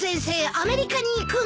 アメリカに行くの？